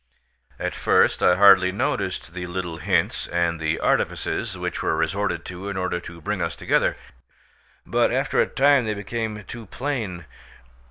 At first I hardly noticed the little hints and the artifices which were resorted to in order to bring us together, but after a time they became too plain.